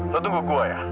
lo tunggu gue ya